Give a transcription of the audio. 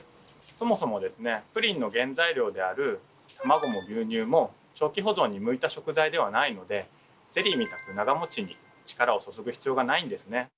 そもそもですねプリンの原材料である卵も牛乳も長期保存に向いた食材ではないのでゼリーみたく長もちに力を注ぐ必要がないんですね。